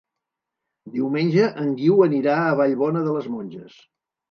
Diumenge en Guiu anirà a Vallbona de les Monges.